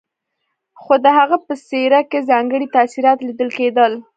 خو د هغه په څېره کې ځانګړي تاثرات ليدل کېدل.